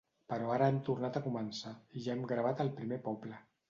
Però ara hem tornat a començar i ja hem gravat el primer poble.